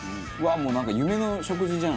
もうなんか夢の食事じゃん。